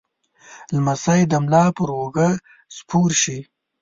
لمسی د ملا پر اوږه سپور شي.